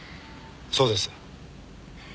そうです